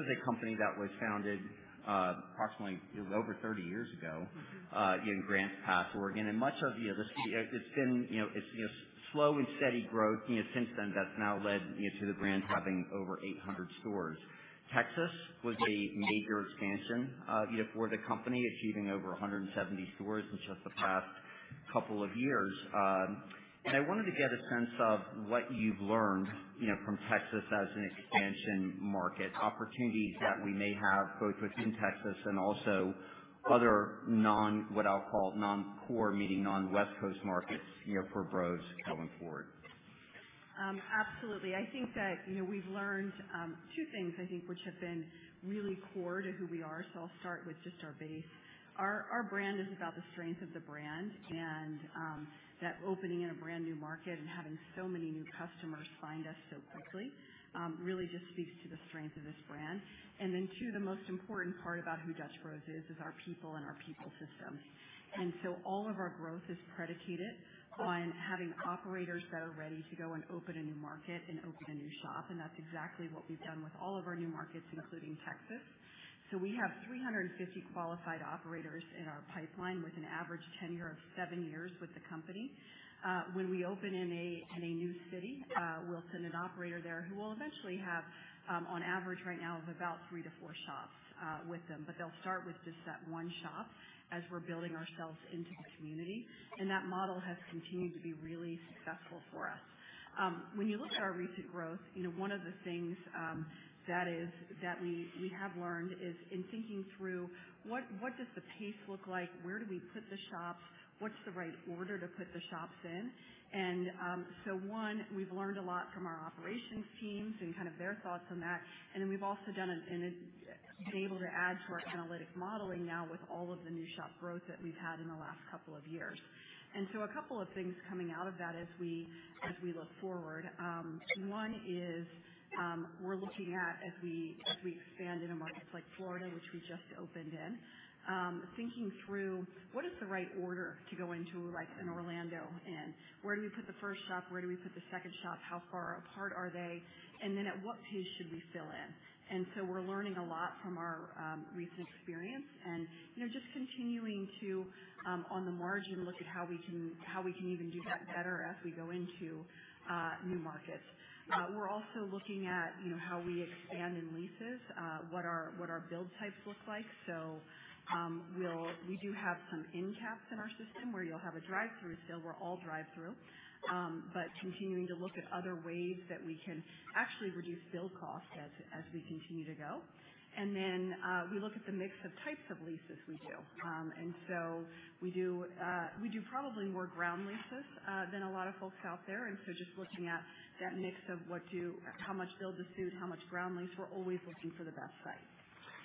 Bros is a company that was founded approximately over 30 years ago in Grants Pass, Oregon. And much of, you know, it's been, you know, it's, you know, slow and steady growth, you know, since then, that's now led, you know, to the brand having over 800 stores. Texas was a major expansion, you know, for the company, achieving over 170 stores in just the past couple of years. I wanted to get a sense of what you've learned, you know, from Texas as an expansion market, opportunities that we may have, both within Texas and also other non, what I'll call non-core, meaning non-West Coast markets, you know, for Bros going forward. Absolutely. I think that, you know, we've learned two things, I think, which have been really core to who we are. So I'll start with just our base. Our brand is about the strength of the brand, and that opening in a brand new market and having so many new customers find us so quickly really just speaks to the strength of this brand. And then, two, the most important part about who Dutch Bros is, is our people and our people system. And so all of our growth is predicated on having operators that are ready to go and open a new market and open a new shop, and that's exactly what we've done with all of our new markets, including Texas. So we have 350 qualified operators in our pipeline, with an average tenure of 7 years with the company. When we open in a new city, we'll send an operator there who will eventually have on average right now of about 3-4 shops with them, but they'll start with just that one shop as we're building ourselves into the community. That model has continued to be really successful for us. When you look at our recent growth, you know, one of the things that we have learned is in thinking through what does the pace look like? Where do we put the shops? What's the right order to put the shops in? So, we've learned a lot from our operations teams and kind of their thoughts on that. Then we've also been able to add to our analytic modeling now with all of the new shop growth that we've had in the last couple of years. So a couple of things coming out of that as we look forward, one is, we're looking at as we expand in a market like Florida, which we just opened in, thinking through what is the right order to go into, like Orlando in? Where do we put the first shop? Where do we put the second shop? How far apart are they? And then at what pace should we fill in? And so we're learning a lot from our recent experience and, you know, just continuing to, on the margin, look at how we can, how we can even do that better as we go into new markets. We're also looking at, you know, how we expand in leases, what our, what our build types look like. So, we'll, we do have some end caps in our system where you'll have a drive-through still. We're all drive-through. But continuing to look at other ways that we can actually reduce build costs as we continue to go. And then, we look at the mix of types of leases we do. And so we do, we do probably more ground leases than a lot of folks out there. And so just looking at that mix of what do, how much build-to-suit, how much ground lease, we're always looking for the best site.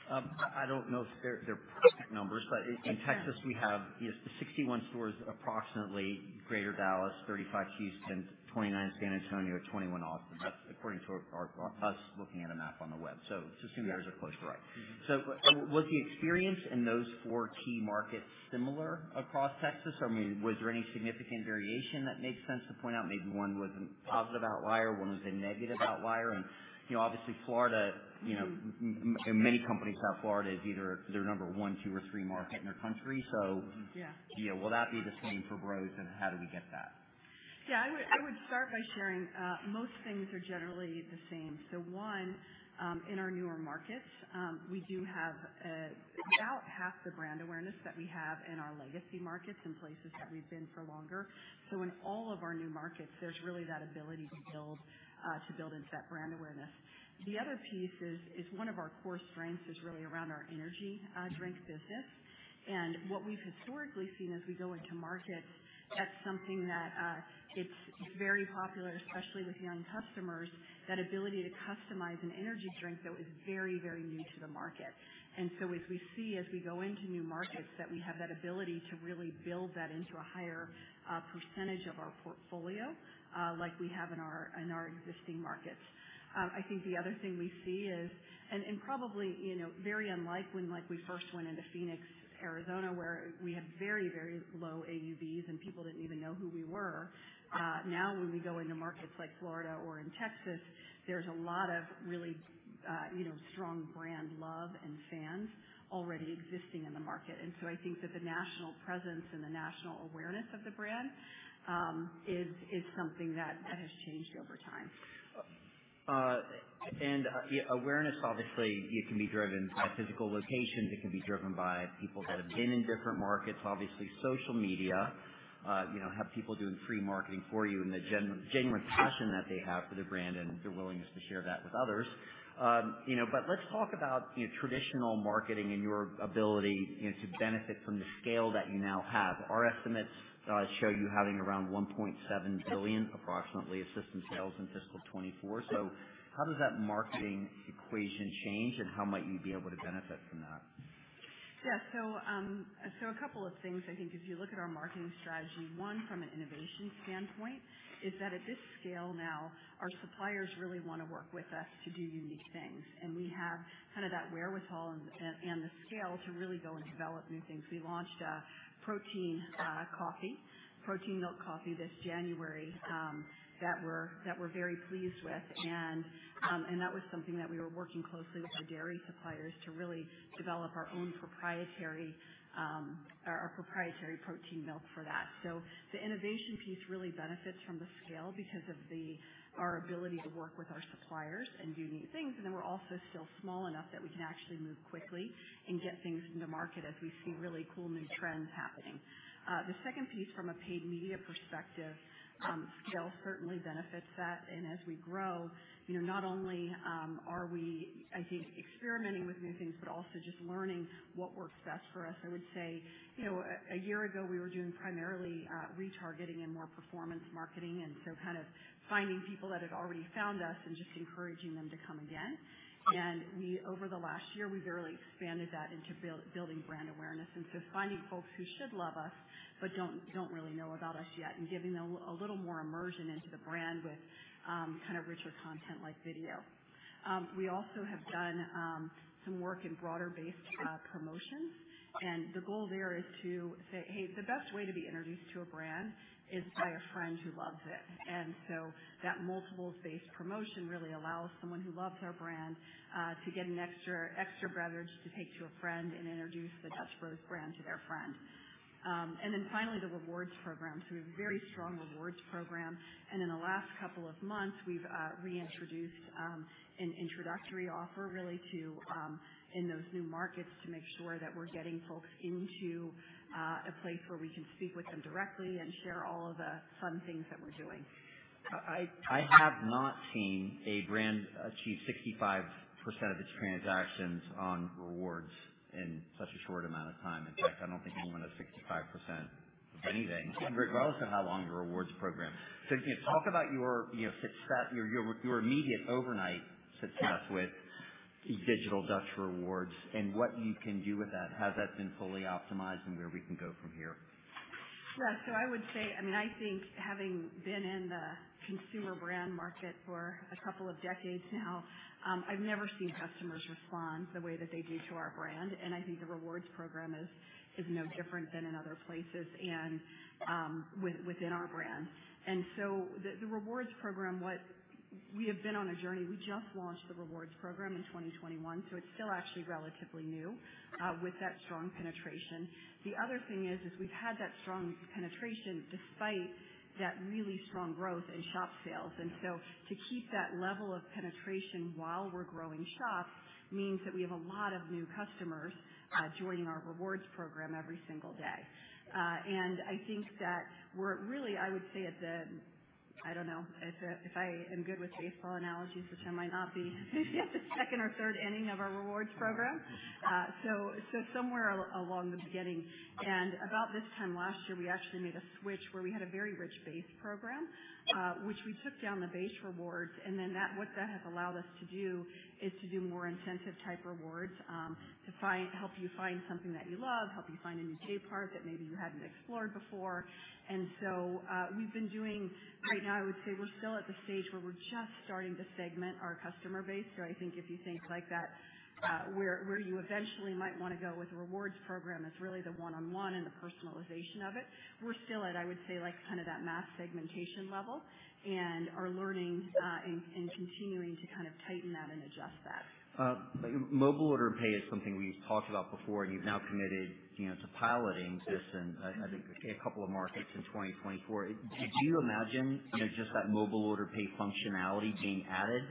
I don't know their exact numbers, but in Texas, we have, you know, 61 stores, approximately. Greater Dallas, 35, Houston, 29, San Antonio, 21, Austin. That's according to us looking at a map on the web. So assuming that is a close, right. So was the experience in those four key markets similar across Texas, or, I mean, was there any significant variation that makes sense to point out? Maybe one was a positive outlier, one was a negative outlier. And, you know, obviously Florida, you know, many companies South Florida is either their number one, two, or three market in the country. So- Yeah. Yeah, will that be the same for Bros, and how do we get that? Yeah, I would, I would start by sharing, most things are generally the same. So one, in our newer markets, we do have about half the brand awareness that we have in our legacy markets, in places that we've been for longer. So in all of our new markets, there's really that ability to build, to build into that brand awareness. The other piece is, is one of our core strengths is really around our energy drink business. And what we've historically seen as we go into markets, that's something that, it's very popular, especially with young customers, that ability to customize an energy drink that is very, very new to the market. And so as we see, as we go into new markets, that we have that ability to really build that into a higher percentage of our portfolio, like we have in our existing markets. I think the other thing we see is, and probably, you know, very unlike when, like, we first went into Phoenix, Arizona, where we had very, very low AUVs and people didn't even know who we were. Now, when we go into markets like Florida or in Texas, there's a lot of really, you know, strong brand love and fans already existing in the market. And so I think that the national presence and the national awareness of the brand is something that has changed over time. Yeah, awareness, obviously, it can be driven by physical locations. It can be driven by people that have been in different markets, obviously social media, you know, have people doing free marketing for you and the genuine passion that they have for the brand and their willingness to share that with others. You know, but let's talk about your traditional marketing and your ability, you know, to benefit from the scale that you now have. Our estimates show you having around $1.7 billion, approximately, in sales in fiscal 2024. So how does that marketing equation change, and how might you be able to benefit from that? ... Yeah, so a couple of things. I think if you look at our marketing strategy, one, from an innovation standpoint, is that at this scale now, our suppliers really wanna work with us to do unique things, and we have kind of that wherewithal and the scale to really go and develop new things. We launched a protein coffee, protein milk coffee this January that we're very pleased with. And that was something that we were working closely with our dairy suppliers to really develop our own proprietary protein milk for that. So the innovation piece really benefits from the scale because of our ability to work with our suppliers and do new things. Then we're also still small enough that we can actually move quickly and get things in the market as we see really cool new trends happening. The second piece from a paid media perspective, scale certainly benefits that. And as we grow, you know, not only are we, I think, experimenting with new things, but also just learning what works best for us. I would say, you know, a year ago, we were doing primarily retargeting and more performance marketing, and so kind of finding people that had already found us and just encouraging them to come again. And we... Over the last year, we've really expanded that into building brand awareness, and so finding folks who should love us but don't really know about us yet and giving them a little more immersion into the brand with kind of richer content like video. We also have done some work in broader-based promotions, and the goal there is to say, "Hey, the best way to be introduced to a brand is by a friend who loves it." And so that multiple space promotion really allows someone who loves our brand to get an extra beverage to take to a friend and introduce the Dutch Bros brand to their friend. And then finally, the rewards program. We have a very strong rewards program, and in the last couple of months, we've reintroduced an introductory offer really to in those new markets to make sure that we're getting folks into a place where we can speak with them directly and share all of the fun things that we're doing. I have not seen a brand achieve 65% of its transactions on rewards in such a short amount of time. In fact, I don't think anyone has 65% of anything, and regardless of how long your rewards program. So can you talk about your, you know, success, your immediate overnight success with Digital Dutch Rewards and what you can do with that? Has that been fully optimized and where we can go from here? Yeah. So I would say, I mean, I think having been in the consumer brand market for a couple of decades now, I've never seen customers respond the way that they do to our brand. And I think the rewards program is no different than in other places and within our brand. And so the rewards program, we have been on a journey. We just launched the rewards program in 2021, so it's still actually relatively new with that strong penetration. The other thing is we've had that strong penetration despite that really strong growth in shop sales. And so to keep that level of penetration while we're growing shops means that we have a lot of new customers joining our rewards program every single day. I think that we're really, I would say, at the, I don't know, if I am good with baseball analogies, which I might not be, the second or third inning of our rewards program. So, somewhere along the beginning. And about this time last year, we actually made a switch where we had a very rich base program, which we took down the base rewards, and then that—what that has allowed us to do is to do more incentive type rewards, to find, help you find something that you love, help you find a new J part that maybe you hadn't explored before. And so, we've been doing... Right now, I would say we're still at the stage where we're just starting to segment our customer base. So I think if you think like that, where you eventually might wanna go with the rewards program, it's really the one-on-one and the personalization of it. We're still at, I would say, like, kind of that mass segmentation level and are learning, and continuing to kind of tighten that and adjust that. Mobile order pay is something we've talked about before, and you've now committed, you know, to piloting this in, I think, a couple of markets in 2024. Did you imagine, you know, just that mobile order pay functionality being added,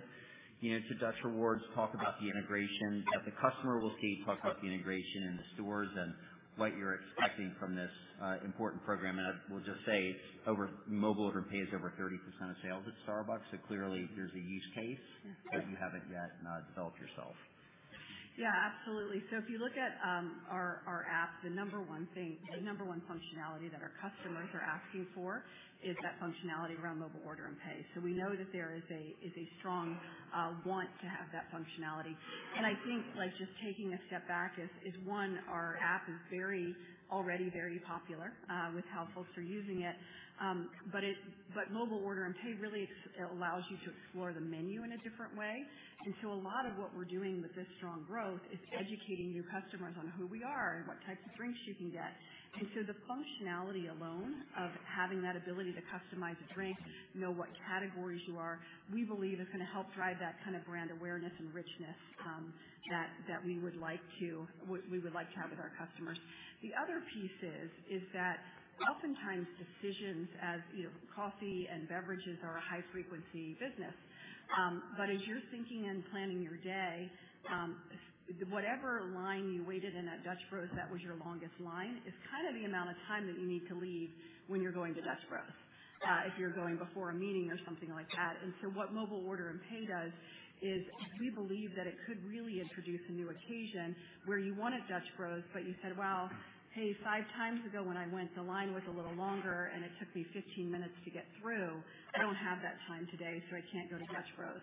you know, to Dutch Rewards? Talk about the integration that the customer will see. Talk about the integration in the stores and what you're expecting from this, important program. And I will just say, mobile order pay is over 30% of sales at Starbucks. So clearly there's a use case- Yeah. -that you haven't yet, developed yourself. Yeah, absolutely. So if you look at our app, the number one thing, the number one functionality that our customers are asking for is that functionality around mobile order and pay. So we know that there is a strong want to have that functionality. And I think, like, just taking a step back is one, our app is very already very popular with how folks are using it. But it, but mobile order and pay really allows you to explore the menu in a different way. And so a lot of what we're doing with this strong growth is educating new customers on who we are and what types of drinks you can get. The functionality alone of having that ability to customize a drink, know what categories you are, we believe is gonna help drive that kind of brand awareness and richness, that we would like to have with our customers. The other piece is that oftentimes decisions, as you know, coffee and beverages are a high frequency business. But as you're thinking and planning your day, whatever line you waited in at Dutch Bros, that was your longest line, is kind of the amount of time that you need to leave when you're going to Dutch Bros, if you're going before a meeting or something like that. And so what mobile order and pay does is we believe that it could really introduce a new occasion where you wanted Dutch Bros, but you said, "Well, hey, five times ago, when I went, the line was a little longer, and it took me 15 minutes to get through. I don't have that time today, so I can't go to Dutch Bros."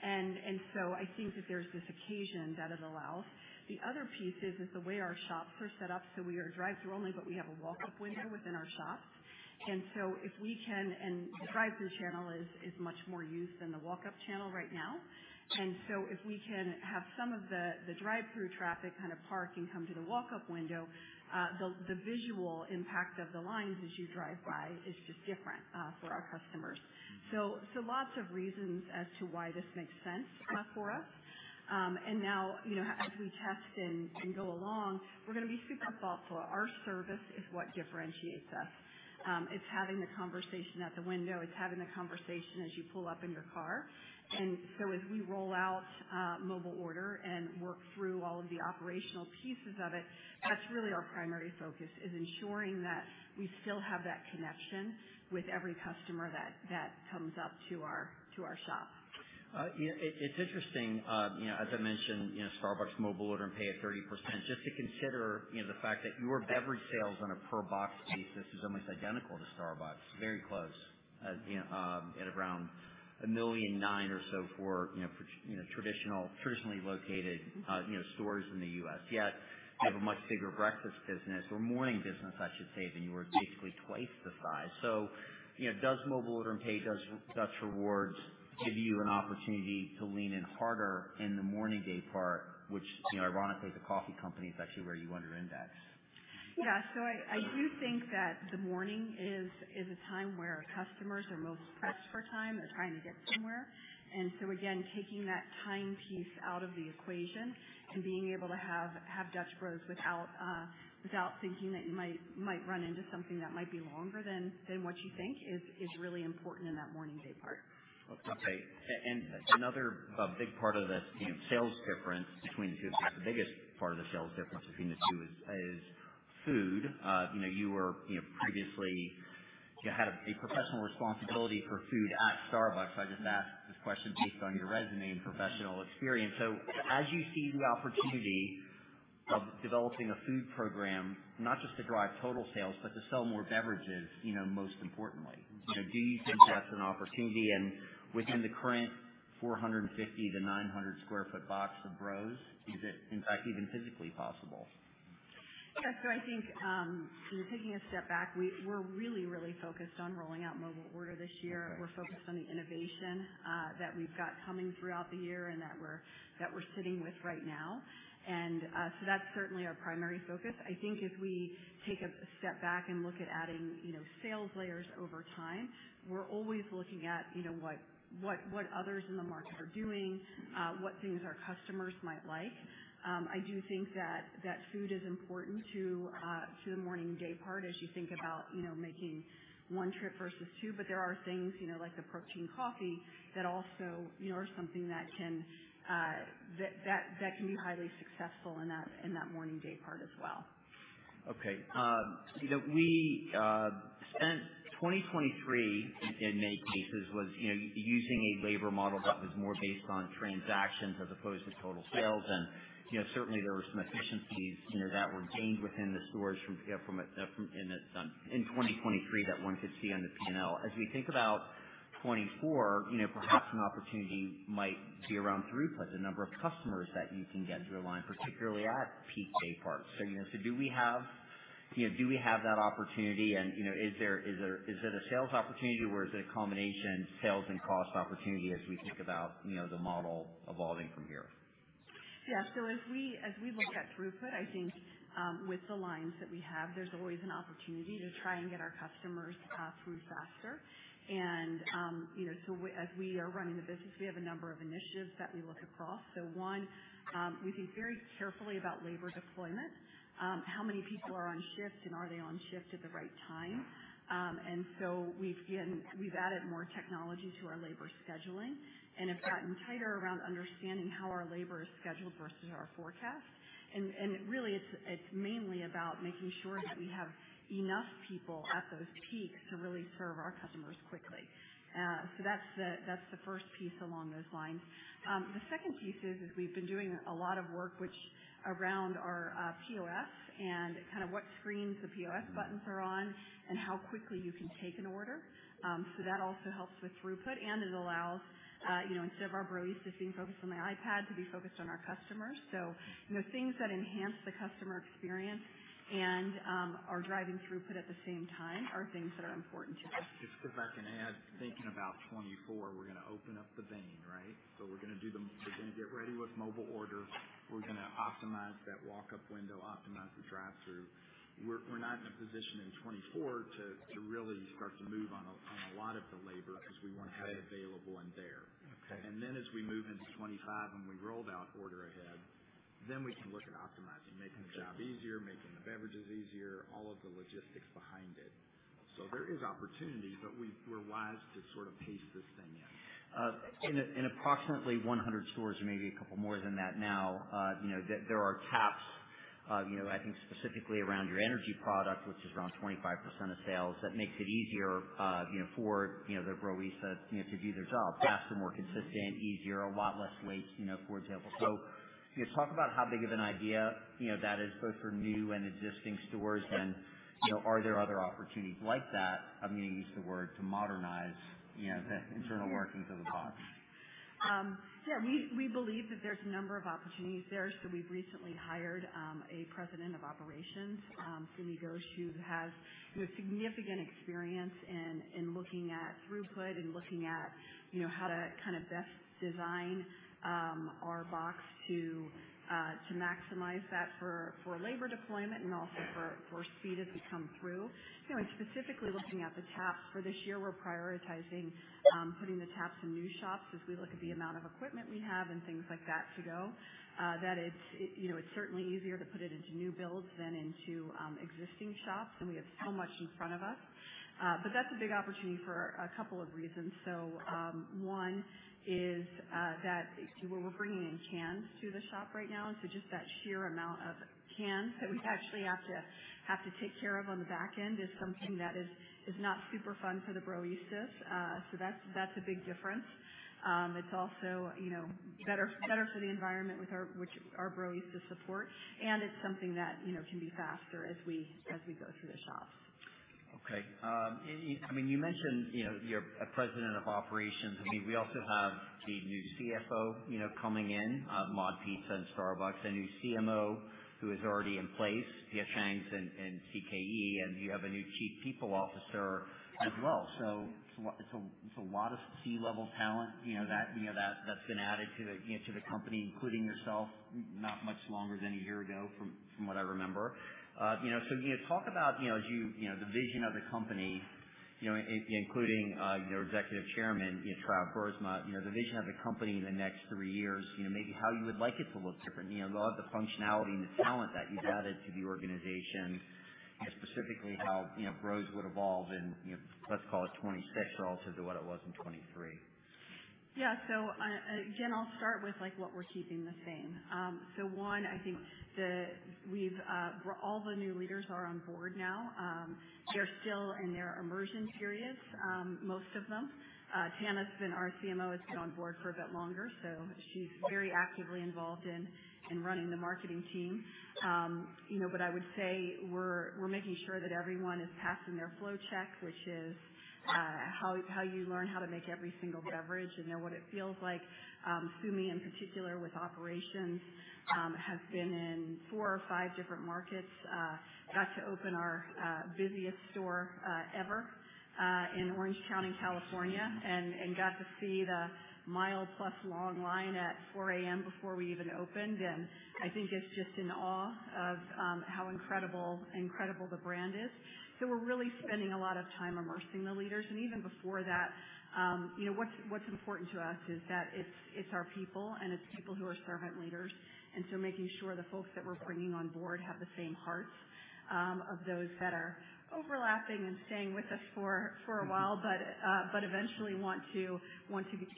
And so I think that there's this occasion that it allows. The other piece is the way our shops are set up. So we are drive-through only, but we have a walk-up window within our shops. And so if we can, and the drive-through channel is much more used than the walk-up channel right now. And so if we can have some of the drive-through traffic kind of park and come to the walk-up window, the visual impact of the lines as you drive by is just different for our customers. So lots of reasons as to why this makes sense for us. And now, you know, as we test and go along, we're gonna be super thoughtful. Our service is what differentiates us. It's having the conversation at the window. It's having the conversation as you pull up in your car. And so as we roll out mobile order and work through all of the operational pieces of it, that's really our primary focus, is ensuring that we still have that connection with every customer that comes up to our shop. You know, it's interesting, you know, as I mentioned, you know, Starbucks mobile order and pay at 30%. Just to consider, you know, the fact that your beverage sales on a per box basis is almost identical to Starbucks, very close, you know, at around $1.9 million or so for, you know, traditional, traditionally located, you know, stores in the U.S. Yet you have a much bigger breakfast business or morning business, I should say, than you are, basically twice the size. So, you know, does mobile order and pay, does Dutch Rewards give you an opportunity to lean in harder in the morning day part, which, you know, ironically, the coffee company is actually where you under index? Yeah. So I do think that the morning is a time where our customers are most pressed for time. They're trying to get somewhere. And so again, taking that time piece out of the equation and being able to have Dutch Bros without thinking that you might run into something that might be longer than what you think is really important in that morning day part. Okay. And another big part of the, you know, sales difference between the two, if not the biggest part of the sales difference between the two is food. You know, you were, you know, previously... You had a professional responsibility for food at Starbucks. I just asked this question based on your resume and professional experience. So as you see the opportunity of developing a food program, not just to drive total sales, but to sell more beverages, you know, most importantly, you know, do you think that's an opportunity? And within the current 450-900 sq ft box for Bros, is it in fact even physically possible? Yeah. So I think, you know, taking a step back, we're really, really focused on rolling out mobile order this year. We're focused on the innovation that we've got coming throughout the year and that we're, that we're sitting with right now. And, so that's certainly our primary focus. I think if we take a step back and look at adding, you know, sales layers over time, we're always looking at, you know, what, what, what others in the market are doing, what things our customers might like. I do think that, that food is important to, to the morning day part, as you think about, you know, making one trip versus two. But there are things, you know, like the Protein Coffee, that also, you know, are something that can be highly successful in that morning day part as well. Okay. You know, we spent 2023 in many cases using a labor model that was more based on transactions as opposed to total sales. And you know, certainly there were some efficiencies you know that were gained within the stores from in 2023 that one could see on the P&L. As we think about 2024, you know, perhaps an opportunity might be around throughput, the number of customers that you can get through a line, particularly at peak day parts. So you know, so do we have you know, do we have that opportunity? And you know, is there, is there, is it a sales opportunity, or is it a combination sales and cost opportunity as we think about you know, the model evolving from here? Yeah. So as we, as we look at throughput, I think, with the lines that we have, there's always an opportunity to try and get our customers through faster. And, you know, so as we are running the business, we have a number of initiatives that we look across. So one, we think very carefully about labor deployment, how many people are on shift, and are they on shift at the right time? And so we've again, we've added more technology to our labor scheduling and have gotten tighter around understanding how our labor is scheduled versus our forecast. And, and really, it's, it's mainly about making sure that we have enough people at those peaks to really serve our customers quickly. So that's the, that's the first piece along those lines. The second piece is, we've been doing a lot of work which around our POS and kind of what screens the POS buttons are on and how quickly you can take an order. So that also helps with throughput, and it allows, you know, instead of our baristas being focused on my iPad, to be focused on our customers. So, you know, things that enhance the customer experience and are driving throughput at the same time, are things that are important to us. Just if I can add, thinking about 2024, we're gonna open up the valve, right? So we're gonna get ready with mobile orders. We're gonna optimize that walk-up window, optimize the drive-through. We're not in a position in 2024 to really start to move on a lot of the labor because we want it available and there. Okay. And then as we move into 2025 and we roll out order ahead, then we can look at optimizing, making the job easier, making the beverages easier, all of the logistics behind it. So there is opportunity, but we- we're wise to sort of pace this thing in. In approximately 100 stores or maybe a couple more than that now, you know, I think specifically around your energy product, which is around 25% of sales, that makes it easier, you know, for the Broistas, you know, to do their job faster, more consistent, easier, a lot less waste, you know, for example. So, you know, talk about how big of an idea, you know, that is both for new and existing stores. And, you know, are there other opportunities like that? I'm gonna use the word to modernize, you know, the internal workings of the box. Yeah, we believe that there's a number of opportunities there. So we've recently hired a president of operations, Sumi Ghosh, who has, you know, significant experience in looking at throughput and looking at, you know, how to kind of best design our box to maximize that for labor deployment and also for speed as we come through. You know, and specifically looking at the taps for this year, we're prioritizing putting the taps in new shops as we look at the amount of equipment we have and things like that to go. That it's, you know, it's certainly easier to put it into new builds than into existing shops, and we have so much in front of us. But that's a big opportunity for a couple of reasons. So, one is that we're bringing in cans to the shop right now. So just that sheer amount of cans that we actually have to take care of on the back end is something that is not super fun for the Broistas. So that's a big difference. It's also, you know, better for the environment with our, which our Broistas support, and it's something that, you know, can be faster as we go through the shops. Okay, I mean, you mentioned, you know, you're President of Operations. I mean, we also have the new CFO, you know, coming in, MOD Pizza in Starbucks, a new CMO who is already in place, Tana Davila in CKE, and you have a new Chief People Officer as well. So it's a lot of C-level talent, you know, that, you know, that's been added to the, you know, to the company, including yourself, not much longer than a year ago, from what I remember. You know, so, you know, talk about, you know, as you you know the vision of the company, you know, including, your Executive Chairman, you know, Travis Boersma, you know, the vision of the company in the next three years, you know, maybe how you would like it to look different. You know, a lot of the functionality and the talent that you've added to the organization and specifically how, you know, Bros would evolve in, you know, let's call it 2026 versus what it was in 2023. Yeah. So, again, I'll start with, like, what we're keeping the same. So one, I think all the new leaders are on board now. They're still in their immersion periods, most of them. Tana been our CMO, has been on board for a bit longer, so she's very actively involved in running the marketing team. You know, but I would say we're making sure that everyone is passing their flow check, which is how you learn how to make every single beverage and know what it feels like. Sumi, in particular with operations, has been in 4 or 5 different markets, got to open our busiest store ever in Orange County, California, and got to see the mile-plus-long line at 4:00 A.M. before we even opened. And I think is just in awe of how incredible, incredible the brand is. So we're really spending a lot of time immersing the leaders. And even before that, you know, what's important to us is that it's our people, and it's people who are servant leaders. And so making sure the folks that we're bringing on board have the same heart of those that are overlapping and staying with us for a while. But but eventually want to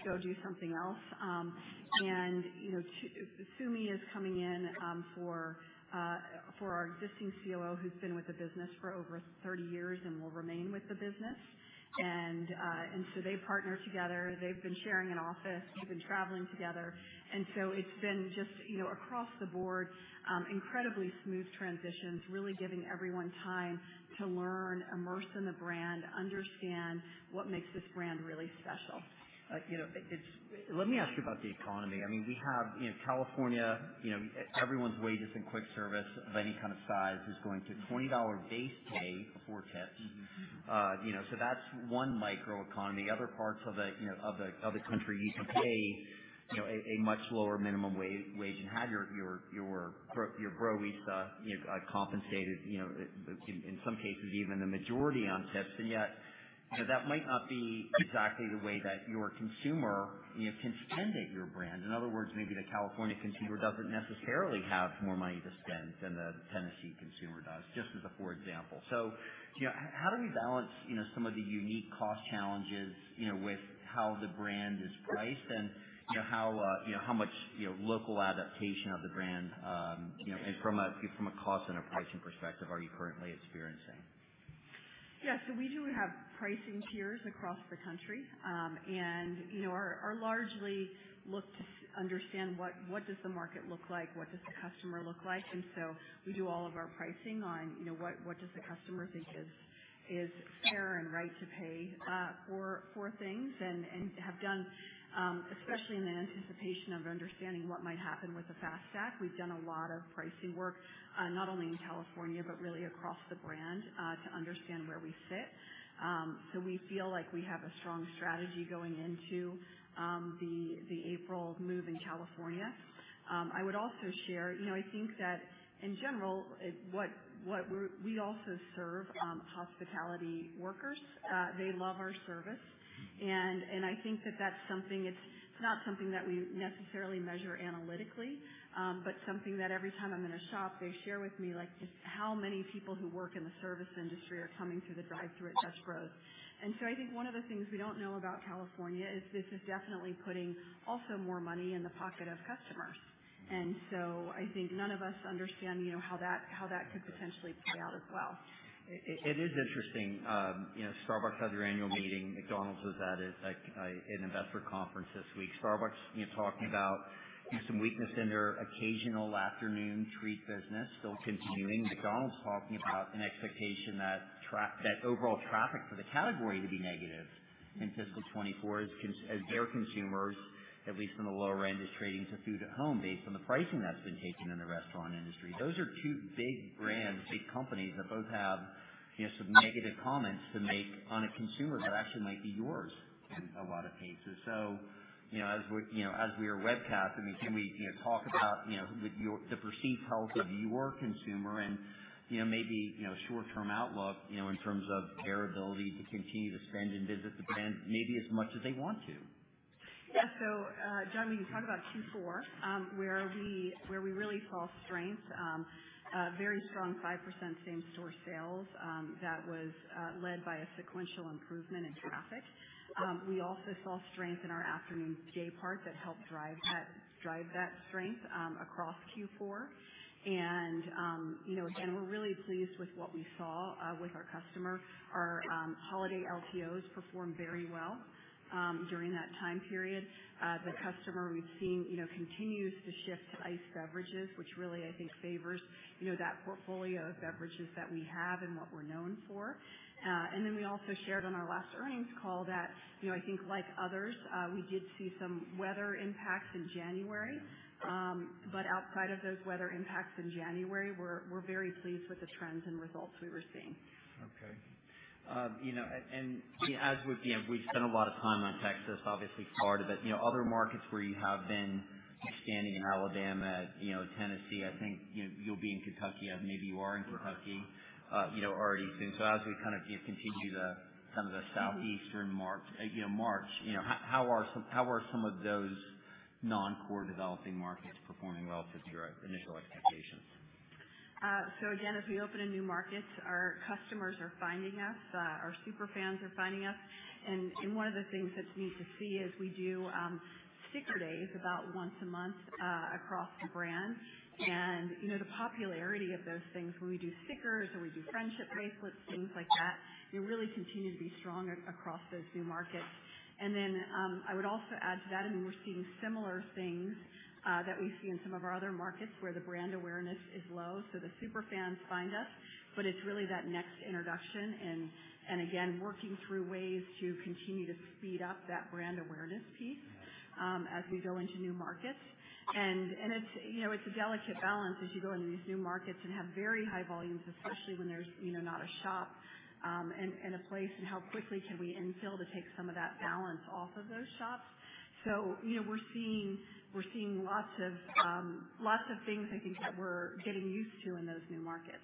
go do something else. And you know, Sumi is coming in for our existing COO, who's been with the business for over 30 years and will remain with the business. And so they partner together. They've been sharing an office. They've been traveling together. It's been just, you know, across the board, incredibly smooth transitions, really giving everyone time to learn, immerse in the brand, understand what makes this brand really special. Like, you know, let me ask you about the economy. I mean, we have, you know, California, you know, everyone's wages in quick service of any kind of size is going to $20 base pay before tips. Mm-hmm. You know, so that's one micro economy. Other parts of the, you know, of the, of the country used to pay, you know, a much lower minimum wage and had your Broista, you know, compensated, you know, in some cases, even the majority on tips. And yet, you know, that might not be exactly the way that your consumer, you know, can spend at your brand. In other words, maybe the California consumer doesn't necessarily have more money to spend than the Tennessee consumer does, just as a for example. So, you know, how do you balance, you know, some of the unique cost challenges, you know, with how the brand is priced and, you know, how, you know, how much, you know, local adaptation of the brand, you know, and from a cost and a pricing perspective, are you currently experiencing? Yeah. So we do have pricing tiers across the country. And, you know, we largely look to understand what the market looks like, what the customer looks like. And so we do all of our pricing on, you know, what the customer thinks is fair and right to pay for things and have done, especially in the anticipation of understanding what might happen with the FAST Act. We've done a lot of pricing work, not only in California, but really across the brand, to understand where we fit. So we feel like we have a strong strategy going into the April move in California. I would also share, you know, I think that in general, what we're-- we also serve hospitality workers. They love our service. And I think that that's something. It's not something that we necessarily measure analytically, but something that every time I'm in a shop, they share with me, like, just how many people who work in the service industry are coming through the drive-thru at Dutch Bros. And so I think one of the things we don't know about California is this is definitely putting also more money in the pocket of customers. And so I think none of us understand, you know, how that could potentially play out as well. It is interesting, you know, Starbucks had their annual meeting. McDonald's was at it, like, an investor conference this week. Starbucks, you know, talking about some weakness in their occasional afternoon treat business still continuing. McDonald's talking about an expectation that that overall traffic for the category to be negative in fiscal 2024 as their consumers, at least in the lower end, is trading to food at home based on the pricing that's been taken in the restaurant industry. Those are two big brands, big companies, that both have, you know, some negative comments to make on a consumer that actually might be yours in a lot of cases. So, you know, as we, you know, as we are webcast, I mean, can we, you know, talk about, you know, the perceived health of your consumer and, you know, maybe, you know, short-term outlook, you know, in terms of their ability to continue to spend and visit the brand, maybe as much as they want to? Yeah. So, John, when you talk about Q4, where we really saw strength, a very strong 5% same-store sales, that was led by a sequential improvement in traffic. We also saw strength in our afternoon day part that helped drive that strength across Q4. And, you know, again, we're really pleased with what we saw with our customer. Our holiday LTOs performed very well during that time period. The customer we've seen, you know, continues to shift to iced beverages, which really I think favors, you know, that portfolio of beverages that we have and what we're known for. And then we also shared on our last earnings call that, you know, I think like others, we did see some weather impacts in January. But outside of those weather impacts in January, we're very pleased with the trends and results we were seeing. Okay. You know, and, you know, as we've, you know, we've spent a lot of time on Texas, obviously part of it, you know, other markets where you have been expanding in Alabama, you know, Tennessee, I think, you know, you'll be in Kentucky, and maybe you are in Kentucky, you know, already. So, as we kind of continue the some of the Southeastern mark, you know, march, you know, how, how are some, how are some of those non-core developing markets performing well against your initial expectations? So again, as we open a new market, our customers are finding us. Our super fans are finding us. And one of the things that's neat to see is we do sticker days about once a month across the brand. And, you know, the popularity of those things, where we do stickers or we do friendship bracelets, things like that, they really continue to be strong across those new markets. And then, I would also add to that, I mean, we're seeing similar things that we see in some of our other markets where the brand awareness is low. So the super fans find us, but it's really that next introduction and again, working through ways to continue to speed up that brand awareness piece as we go into new markets. It's, you know, it's a delicate balance as you go into these new markets and have very high volumes, especially when there's, you know, not a shop in a place, and how quickly can we infill to take some of that balance off of those shops? So, you know, we're seeing lots of things, I think, that we're getting used to in those new markets.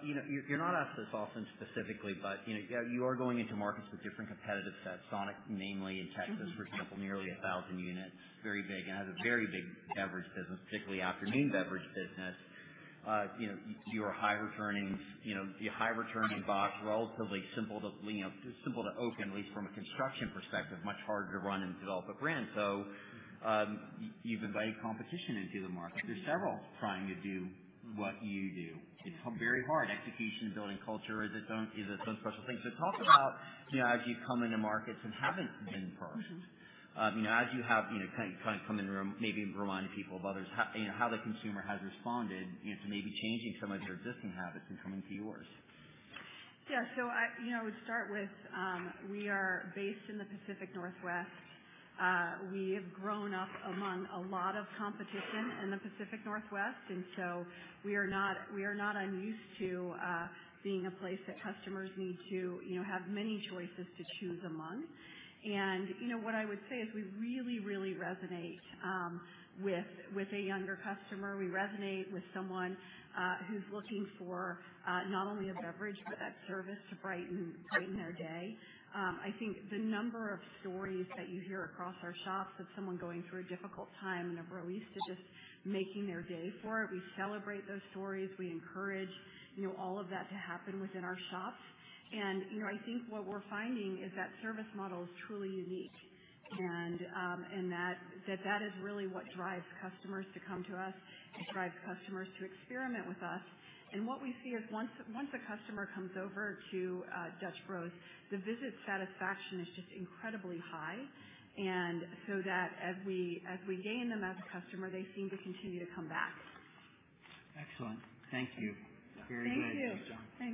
You know, you, you're not asked this often specifically, but, you know, you are going into markets with different competitive sets, Sonic, mainly in Texas, for example, nearly 1,000 units, very big, and has a very big beverage business, particularly afternoon beverage business. You know, you are high returning, you know, you're high returning box, relatively simple to, you know, simple to open, at least from a construction perspective, much harder to run and develop a brand. So, you've invited competition into the market. There's several trying to do what you do. It's very hard. Execution and building culture is its own special thing. So talk about, you know, as you come into markets and haven't been first- Mm-hmm. You know, as you have, you know, kind of come in and maybe remind people of others how, you know, how the consumer has responded, you know, to maybe changing some of their existing habits and coming to yours. Yeah. So you know, I would start with, we are based in the Pacific Northwest. We have grown up among a lot of competition in the Pacific Northwest, and so we are not, we are not unused to, being a place that customers need to, you know, have many choices to choose among. You know, what I would say is we really, really resonate with with a younger customer. We resonate with someone who's looking for not only a beverage, but that service to brighten, brighten their day. I think the number of stories that you hear across our shops of someone going through a difficult time and a Broista just making their day for it, we celebrate those stories. We encourage, you know, all of that to happen within our shops. And, you know, I think what we're finding is that service model is truly unique. And, and that is really what drives customers to come to us, it drives customers to experiment with us. And what we see is once a customer comes over to Dutch Bros, the visit satisfaction is just incredibly high. And so that as we gain them as a customer, they seem to continue to come back. Excellent. Thank you. Thank you. Very good. Thanks, John.